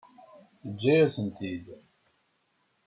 Teǧǧa-yasen-ten-id.